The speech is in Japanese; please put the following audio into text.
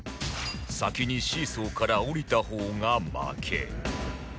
先にシーソーから降りた方が負け